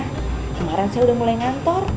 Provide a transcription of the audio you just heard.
kemarin saya udah mulai ngantor